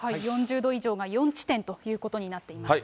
４０度以上が４地点ということになっています。